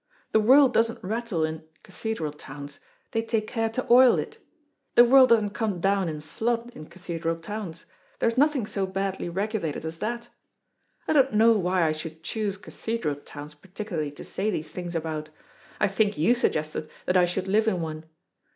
The world doesn't rattle in cathedral towns, they take care to oil it; the world doesn't come down in flood in cathedral towns, there is nothing so badly regulated as that. I don't know why I should choose cathedral towns particularly to say these things about. I think you suggested that I should live in one.